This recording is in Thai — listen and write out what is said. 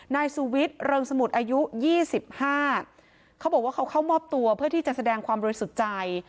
นายสุวิทย์เริงสมุทรอายุ๒๕เขาบอกว่าเขาเข้ามอบตัวเพื่อที่จะแสดงความบริสุทธิ์ใจ